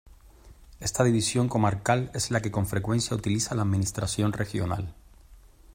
Esta división comarcal es la que con frecuencia utiliza la administración regional.